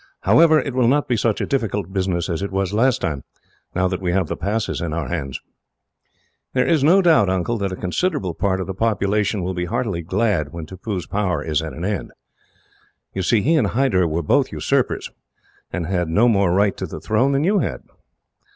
However, it will not be such a difficult business as it was last time, now that we have the passes in our hands." "There is no doubt, Uncle, that a considerable part of the population will be heartily glad when Tippoo's power is at an end. You see, he and Hyder were both usurpers, and had no more right to the throne than you had."